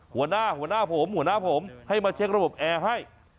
หัวหน้าหัวหน้าผมหัวหน้าผมให้มาเช็คระบบแอร์ให้